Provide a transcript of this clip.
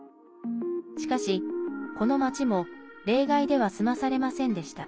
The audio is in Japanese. しかし、この町も例外では済まされませんでした。